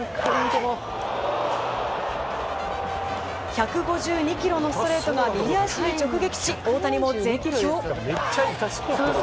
１５２キロのストレートが右足に直撃し大谷も絶叫。